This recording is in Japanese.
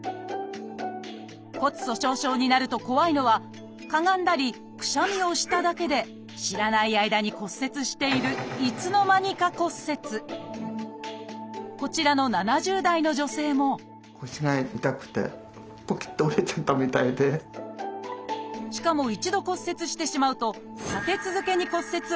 骨粗しょう症になると怖いのはかがんだりくしゃみをしただけで知らない間に骨折しているこちらの７０代の女性もしかも一度骨折してしまうと立て続けに骨折を繰り返すことも。